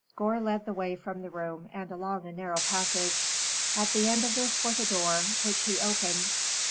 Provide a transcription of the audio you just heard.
Gore led the way from the room and along a narrow passage. At the end of this was a door, which he opened.